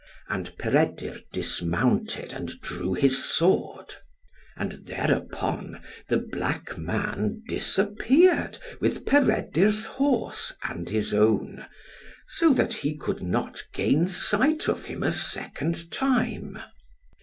And Peredur dismounted, and drew his sword; and thereupon the black man disappeared with Peredur's horse and his own, so that he could not gain sight of him a second time.